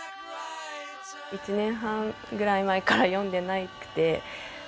１年半ぐらい前から読んでなくて。